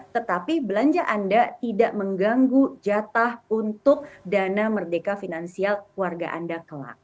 tetapi belanja anda tidak mengganggu jatah untuk dana merdeka finansial warga anda kelak